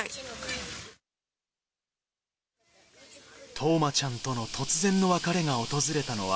冬生ちゃんとの突然の別れが訪れたのは、